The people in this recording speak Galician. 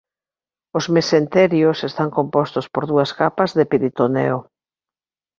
Os mesenterios están compostos por dúas capas de peritoneo.